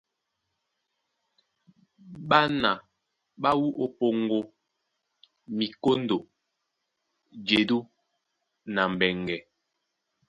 Ɓána ɓá wú ó Póŋgó, Mikóndo, Jedú na Mbɛŋgɛ.